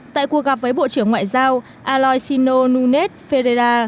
tại cuộc gặp với bộ trưởng ngoại giao aloisino nunes ferreira